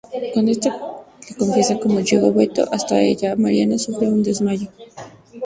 Cuando esta le confiesa cómo llegó Beto hasta ella, Mariana sufre un desmayo.